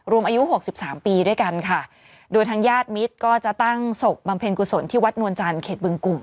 รวมอายุหกสิบสามปีด้วยกันค่ะโดยทางญาติมิตรก็จะตั้งศพบำเพ็ญกุศลที่วัดนวลจันทร์เขตบึงกลุ่ม